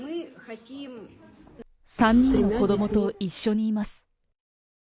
３人の子どもと一緒にいます。